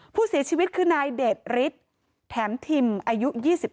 ผู้เสียชีวิตคือนายเดชฤทธิ์แถมทิมอายุ๒๓